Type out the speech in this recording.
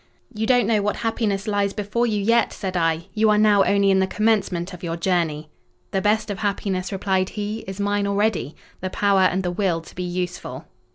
"You don't know what happiness lies before you yet," said I: "you are now only in the commencement of your journey." "The best of happiness," replied he, "is mine already—the power and the will to be useful."